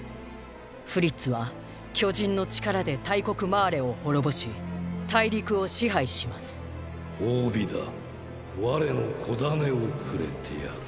フリッツは巨人の力で大国マーレを滅ぼし大陸を支配します褒美だ我の子種をくれてやる。